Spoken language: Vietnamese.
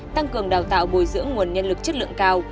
tăng cường đào tạo bồi dưỡng nguồn nhân lực chất lượng cao